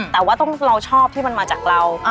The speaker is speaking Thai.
แต่ว่าเราชอบที่มันมาจากเรา